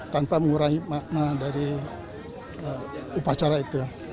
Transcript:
tanpa mengurangi makna dari upacara itu ya